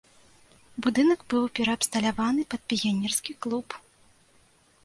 Будынак быў пераабсталяваны пад піянерскі клуб.